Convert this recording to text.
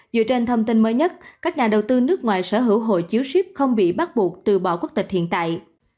dựa trên thông tin mới nhất các nhà đầu tư nước ngoài sở hữu hội chiếu ship không bị bắt buộc từ bỏ quốc tịch hiện tại